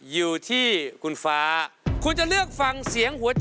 อยู่ที่คุณฟ้าคนเดียว